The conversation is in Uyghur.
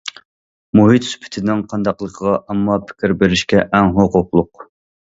مۇھىت سۈپىتىنىڭ قانداقلىقىغا ئامما پىكىر بېرىشكە ئەڭ ھوقۇقلۇق.